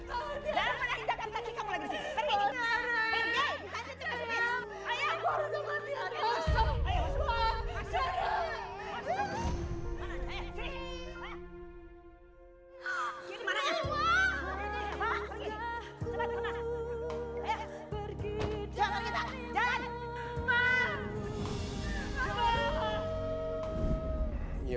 ayo pergi dari sini